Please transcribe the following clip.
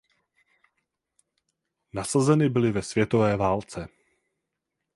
Nasazeny byly ve světové válce.